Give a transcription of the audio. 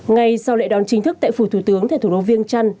ngay sau lệ đón chính thức tại phủ thủ tướng thầy thủ đô viêng trăn